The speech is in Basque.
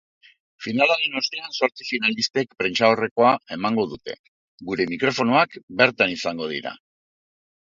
Finalaren ostean zortzi finalistek prentsaurrekoa emango dute gure mikrofonoak bertan izango dira.